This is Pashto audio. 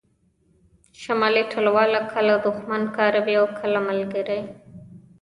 شمالي ټلواله کله دوښمن کاروي او کله ملګری